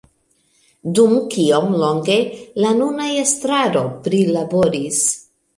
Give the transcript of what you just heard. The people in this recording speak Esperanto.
Dum kiom longe la nuna estraro prilaboris